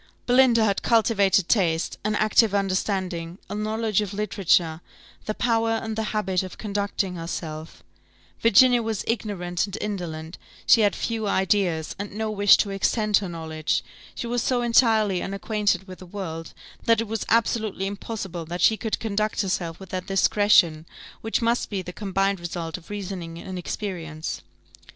Belinda had cultivated taste, an active understanding, a knowledge of literature, the power and the habit of conducting herself; Virginia was ignorant and indolent, she had few ideas, and no wish to extend her knowledge; she was so entirely unacquainted with the world, that it was absolutely impossible she could conduct herself with that discretion, which must be the combined result of reasoning and experience.